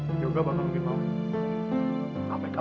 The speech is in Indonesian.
ingat yoga kamu ini anak orang tertandang